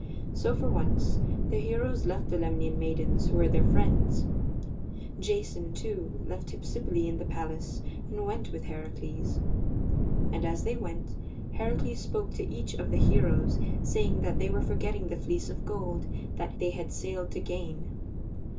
So, for once, the heroes left the Lemnian maidens who were their friends. Jason, too, left Hypsipyle in the palace and went with Heracles. And as they went, Heracles spoke to each of the heroes, saying that they were forgetting the Fleece of Gold that they had sailed to gain.